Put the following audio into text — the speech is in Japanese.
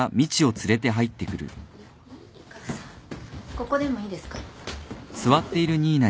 ここでもいいですか？